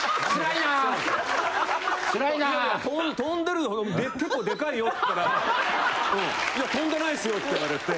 「いやいや飛んでるよ結構でかいよ」って言ったら「いや飛んでないですよ」って言われて。